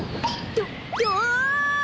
どどわ！